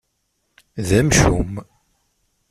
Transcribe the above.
D amcum.